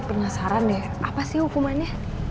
penasaran deh apa sih hukumannya